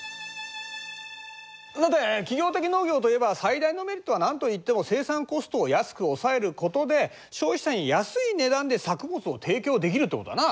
さて企業的農業といえば最大のメリットは何といっても生産コストを安く抑えることで消費者に安い値段で作物を提供できるってことだな。